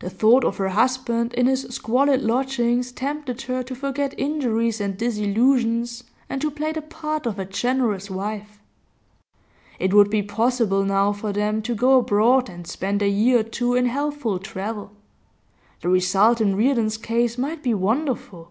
The thought of her husband in his squalid lodgings tempted her to forget injuries and disillusions, and to play the part of a generous wife. It would be possible now for them to go abroad and spend a year or two in healthful travel; the result in Reardon's case might be wonderful.